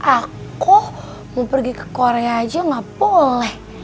aku mau pergi ke korea aja gak boleh